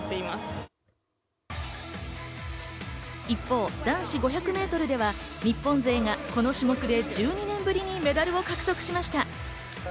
一方、男子５００メートルでは日本勢がこの種目で１２年ぶりにメダルを獲得しました。